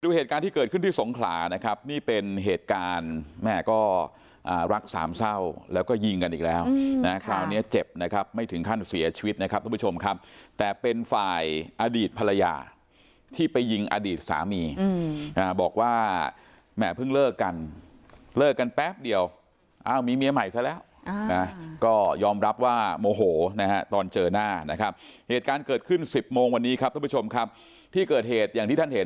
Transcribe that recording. ดูเหตุการณ์ที่เกิดขึ้นที่สงขลานะครับนี่เป็นเหตุการณ์แม่ก็อ่ารักสามเศร้าแล้วก็ยิงกันอีกแล้วนะคราวนี้เจ็บนะครับไม่ถึงขั้นเสียชีวิตนะครับทุกผู้ชมครับแต่เป็นฝ่ายอดีตภรรยาที่ไปยิงอดีตสามีอืมอืมอ่าบอกว่าแม่เพิ่งเลิกกันเลิกกันแป๊บเดียวอ้าวมีเมียใหม่ซะแล้วอ่าก็ยอมรับว่